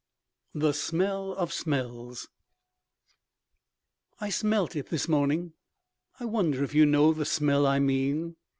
THE SMELL OF SMELLS I Smelt it this morning I wonder if you know the smell I mean?